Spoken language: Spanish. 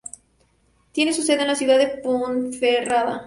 Tiene su sede en la ciudad de Ponferrada.